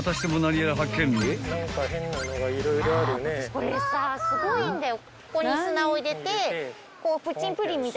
・これさすごいんだよ。